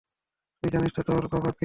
তুই জানিস না তোর বাবা কে?